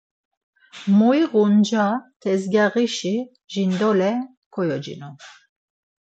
Moiğu nca tezgyaxişi jindole koyocinu.